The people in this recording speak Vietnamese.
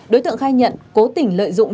đối tượng khai nhận cố tình lợi dụng